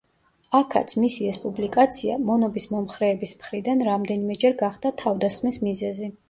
აქაც, მისი ეს პუბლიკაცია, მონობის მომხრეების მხრიდან რამდენიმეჯერ გახდა თავდასხმის მიზეზი.